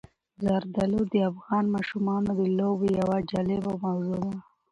زردالو د افغان ماشومانو د لوبو یوه جالبه موضوع ده.